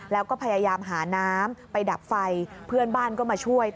แล้วก็พยายามหาน้ำไปดับไฟเพื่อนบ้านก็มาช่วย